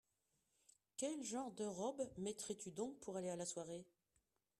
Quelle genre de robe mettrais-tu donc pour aller à la soirée ?